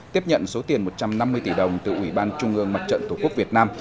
tiếp nhận số tiền một trăm năm mươi tỷ đồng từ ủy ban trung ương mặt trận tổ quốc việt nam